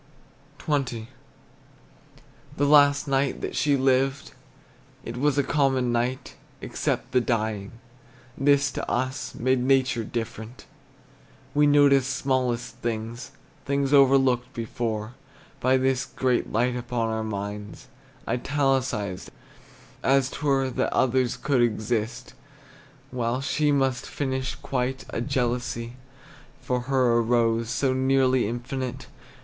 XX. The last night that she lived, It was a common night, Except the dying; this to us Made nature different. We noticed smallest things, Things overlooked before, By this great light upon our minds Italicized, as 't were. That others could exist While she must finish quite, A jealousy for her arose So nearly infinite.